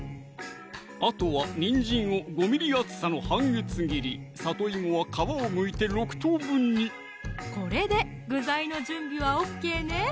あとはにんじんを５ｍｍ厚さの半月切りさといもは皮をむいて６等分にこれで具材の準備はＯＫね